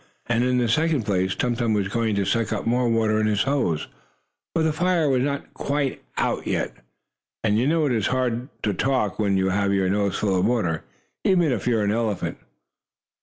And, in the second place, Tum Tum was going to suck up more water in his nose, for the fire was not quite out yet. And you know it is hard to talk when you have your nose full of water, even if you are an elephant.